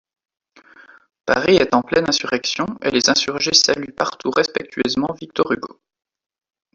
Paris est en pleine insurrection et les insurgés saluent partout respectueusement Victor Hugo.